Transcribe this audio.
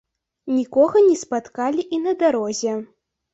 Нікога не спаткалі і на дарозе.